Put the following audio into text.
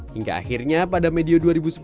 hingga akhirnya pada medio dua ribu sepuluh